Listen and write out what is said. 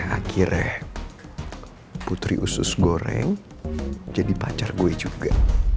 akhirnya putri usus goreng jadi pacar gue juga